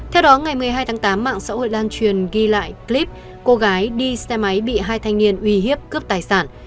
theo đó ngày một mươi hai tháng tám mạng xã hội lan truyền ghi lại clip cô gái đi xe máy bị hai thanh niên uy hiếp cướp tài sản